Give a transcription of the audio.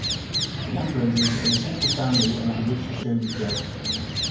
The Ambroses are the central family around which the show was built.